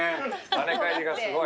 はね返りがすごい。